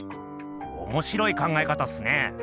おもしろい考え方っすね。